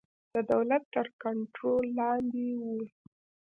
د دولت تر کنټرول لاندې وو.